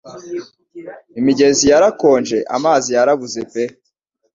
Imigezi yarakonje amazi yarabuze pe